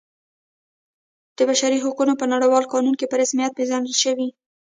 د بشري حقونو په نړیوال قانون کې په رسمیت پیژندل شوی.